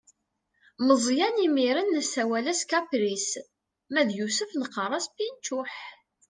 Meẓyan imir-n nessawal-as kapris, ma yusef neqqaṛ-as pinčuḥ.